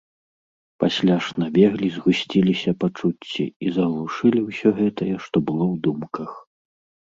Пасля ж набеглі, згусціліся пачуцці і заглушылі ўсё гэтае, што было ў думках.